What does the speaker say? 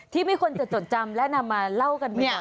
ที่ไม่ควรจะจดจำและนำมาเล่ากันเนี่ย